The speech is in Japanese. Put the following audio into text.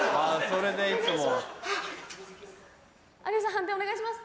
判定お願いします。